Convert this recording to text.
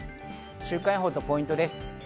週間予報とポイントです。